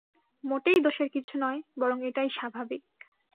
মোটেই দোষের কিছু নয়, বরং এটাই স্বাভাবিক।